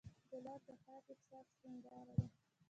ګلاب د پاک احساس هنداره ده.